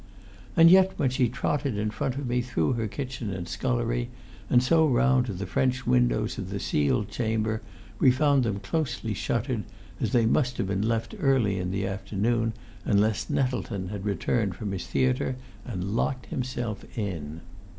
And yet, when she trotted in front of me through her kitchen and scullery, and so round to the French windows of the sealed chamber, we found them closely shuttered, as they must have been left early in the afternoon, unless Nettleton had returned from his theatre and locked himself in.